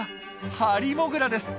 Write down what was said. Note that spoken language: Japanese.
ハリモグラです。